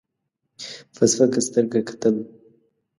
په سپکه سترګه کتل.